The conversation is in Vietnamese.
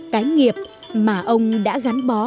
cái nghiệp mà ông đã gắn bó